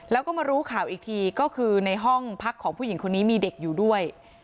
แล้วก็มารู้ข่าวอีกทีก็คือในห้องพักของผู้หญิงคนนี้มีเด็กอยู่ด้วย